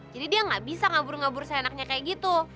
jadi dia gak bisa ngabur ngabur seenaknya kayak gitu